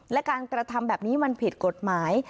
และการกระทำแบบนี้มันผิดกฎหมาย